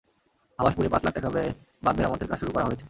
হাবাসপুরে পাঁচ লাখ টাকা ব্যয়ে বাঁধ মেরামতের কাজ শুরু করা হয়েছে।